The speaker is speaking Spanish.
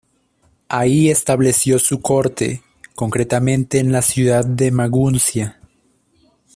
Ahí estableció su corte, concretamente en la ciudad de Maguncia.